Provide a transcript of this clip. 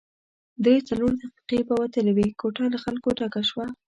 درې څلور دقیقې به وتلې وې، کوټه له خلکو ډکه شوه.